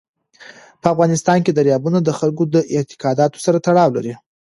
په افغانستان کې دریابونه د خلکو د اعتقاداتو سره تړاو لري.